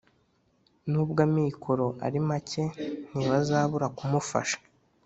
nubwo amikoro ari macye ntibazabura kumufasha